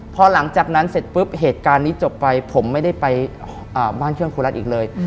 พอหลังจากนั้นเสร็จปุ๊บเหตุการณ์นี้จบไปผมไม่ได้ไปบ้านเครื่องครูรัฐอีกเลย